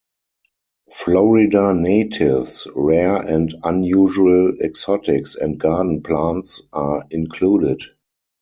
Florida natives, rare and unusual exotics and garden plants are included.